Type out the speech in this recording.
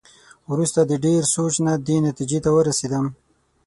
وروسته د ډېر سوچ نه دې نتېجې ته ورسېدم.